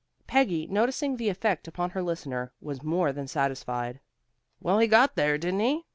Peggy, noticing the effect upon her listener, was more than satisfied. "Well, he got there, didn't he?"